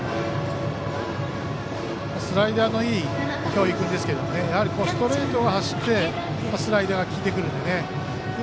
スライダーのいい京井君ですけどストレートが走ってスライダーが効いてくるので。